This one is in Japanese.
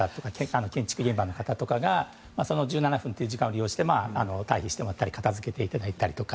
建築現場の方とかがその１７分という時間を利用して退避してもらったり片付けていただいたりとか。